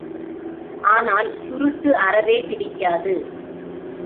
ஆனால், சுருட்டு அறவே பிடிக்காது.